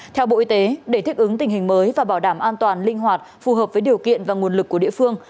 theo bộ y tế để thích ứng tình hình mới và bảo đảm an toàn linh hoạt phù hợp với điều kiện và nguồn lực của địa phương